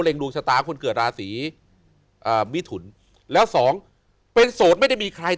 ดวงชะตาคนเกิดราศีเอ่อมิถุนแล้วสองเป็นโสดไม่ได้มีใคร